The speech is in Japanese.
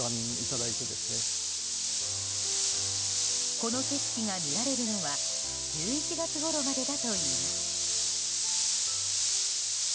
この景色が見られるのは１１月ごろまでだといいます。